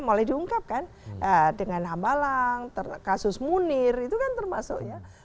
mulai diungkapkan dengan hambalang kasus munir itu kan termasuk ya